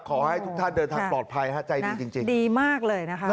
ขอให้ทุกท่านเดินทางปลอดภัยฮะใจดีจริงดีมากเลยนะคะ